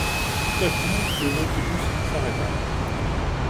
Tout à coup le Nautilus s'arrêta.